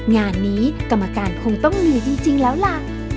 งานนี้กรรมการคงต้องเหนื่อยจริงจริงแล้วล่ะ